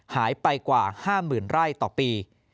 หายไปกว่า๕๐๐๐ไร่ต่อปี